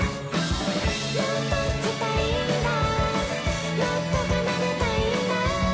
「もっと弾きたいんだもっと奏でたいんだ」